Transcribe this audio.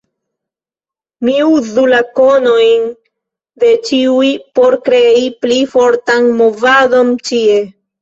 Ni uzu la konojn de ĉiuj por krei pli fortan movadon ĉie.